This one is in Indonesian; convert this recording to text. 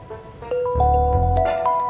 aku mau ke rumah